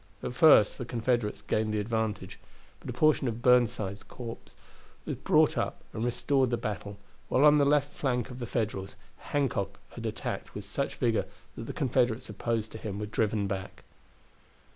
At first the Confederates gained the advantage; but a portion of Burnside's corps was brought up and restored the battle, while on the left flank of the Federals Hancock had attacked with such vigor that the Confederates opposed to him were driven back.